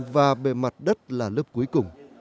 và bề mặt đất là lớp cuối cùng